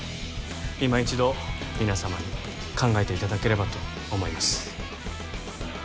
いま一度皆様に考えていただければと思います